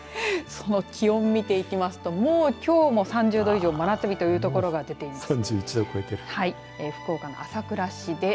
その気温、見ていきますときょうも３０度以上真夏日という所が出ています。